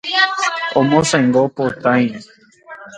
Omosãingo potãire.